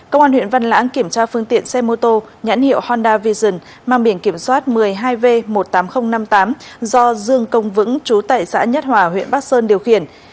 công an huyện văn lãng kiểm tra phương tiện xe mô tô nhãn hiệu honda vision mang biển kiểm soát một mươi hai v một mươi tám nghìn năm mươi tám do dương công vững chú tại xã nhất hòa huyện bắc sơn điều khiển